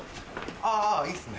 あいいっすね。